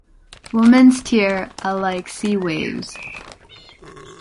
Women’s tear a like sea waves.